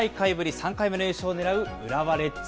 ３回目の優勝を狙う浦和レッズ。